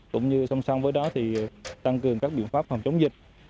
cũng như song song với đó thì tăng cường các biện pháp phòng chống dịch